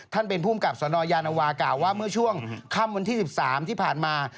เป็นภูมิกับสนยานวากล่าวว่าเมื่อช่วงค่ำวันที่๑๓ที่ผ่านมา